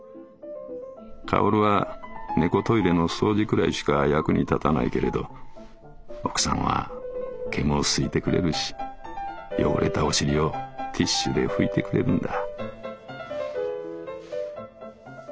薫は猫トイレの掃除くらいしか役に立たないけれど奥さんは毛も梳いてくれるし汚れたお尻をティッシュで拭いてくれるんだ」。